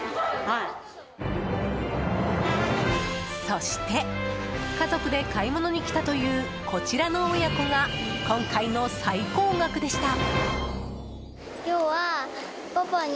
そして家族で買い物に来たというこちらの親子が今回の最高額でした。